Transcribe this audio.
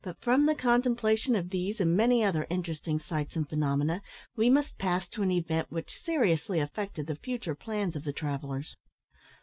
But from the contemplation of these and many other interesting sights and phenomena we must pass to an event which seriously affected the future plans of the travellers.